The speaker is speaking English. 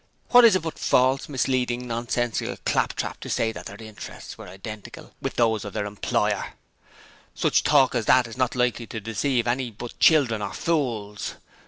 What is it but false, misleading, nonsensical claptrap to say that their interests were identical with those of their employer? 'Such talk as that is not likely to deceive any but children or fools.